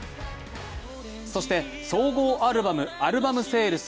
そして総合アルバム、アルバムセールス